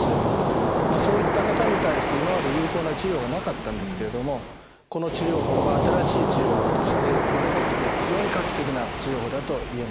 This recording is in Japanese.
そういった方に対して今まで有効な治療がなかったんですけれどもこの治療法が新しい治療法として生まれてきて非常に画期的な治療法だと言えます。